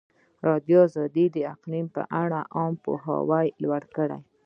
ازادي راډیو د اقلیم لپاره عامه پوهاوي لوړ کړی.